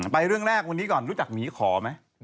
เรื่องแรกวันนี้ก่อนรู้จักหมีขอไหม